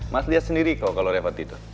mas lihat sendiri kalau reva tidur